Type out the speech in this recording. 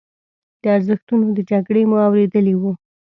د ارزښتونو د جګړې مو اورېدلي وو.